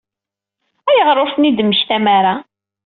Ayɣer ur tent-id-temmektam ara?